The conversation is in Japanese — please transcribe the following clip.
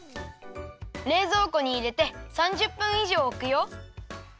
れいぞうこにいれて３０分いじょうおくよ。